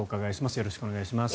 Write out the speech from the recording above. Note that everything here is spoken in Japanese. よろしくお願いします。